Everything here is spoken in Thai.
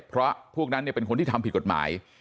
เพราะพวกนั้นเป็นคนที่ทำผิดกฎหมาย